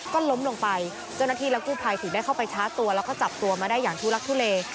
ก็ล้มลงไปเจ้าหน้าที่และกู้ภัยถึงได้เข้าไปชาร์จตัวแล้วก็จับตัวมาได้อย่างทุลักทุเล